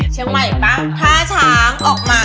เชียงใหม่ป่ะท่าช้างออกมา